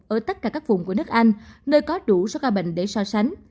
ở tất cả các vùng của nước anh nơi có đủ số ca bệnh để so sánh